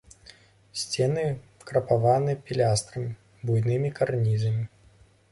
Сцены крапаваны пілястрамі, буйнымі карнізамі.